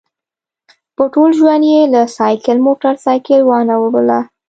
په ټول ژوند یې له سایکل موټرسایکل وانه ړوله.